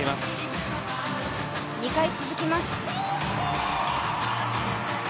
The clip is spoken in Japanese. ２回続きます。